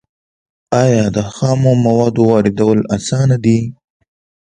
آیا د خامو موادو واردول اسانه دي؟